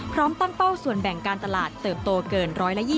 พร้อมตั้งเป้าส่วนแบ่งการตลาดเติบโตเกิน๑๒๐